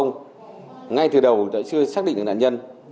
ngay từ đầu đã chưa xác định được nạn nhân